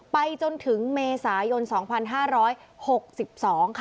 ไปจนถึงเมษายน๒๕๖๒ค่ะ